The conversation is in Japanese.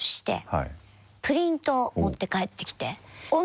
プリントを持って帰ってきて。